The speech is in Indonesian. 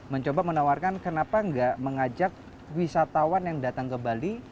mencoba menawarkan kenapa enggak mengajak wisatawan yang datang ke bali